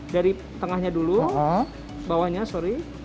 dari tengahnya dulu bawahnya sorry